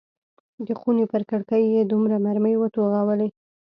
د خونې پر کړکۍ یې دوه مرمۍ وتوغولې.